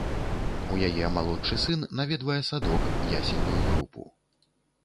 У яе малодшы сын наведвае садок ясельную групу.